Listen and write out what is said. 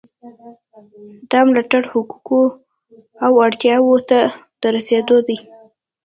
دا ملاتړ حقوقو او اړتیاوو ته د رسیدو دی.